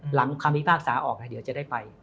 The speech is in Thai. คำพิพากษาออกเดี๋ยวจะได้ไป